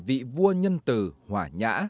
vị vua nhân từ hỏa nhã